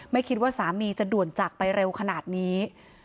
ไม่คิดว่าสามีจะด่วนจากไปเร็วขนาดนี้